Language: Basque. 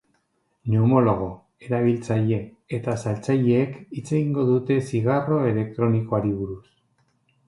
Pneumologo, erabiltzaile eta saltzaileek hitz egingo dute zigarro elektronikoari buruz.